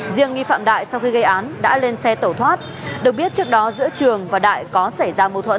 riêng nghi phạm đại sau khi gây án đã lên xe tẩu thoát được biết trước đó giữa trường và đại có xảy ra mâu thuẫn